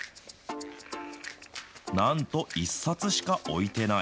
なんと１冊しか置いてない。